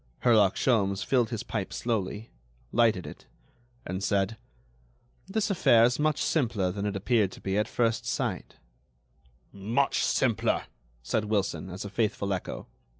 Herlock Sholmes filled his pipe slowly, lighted it, and said: "This affair is much simpler than it appeared to be at first sight." "Much simpler," said Wilson, as a faithful echo.